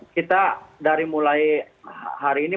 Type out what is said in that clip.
kita dari mulai hari ini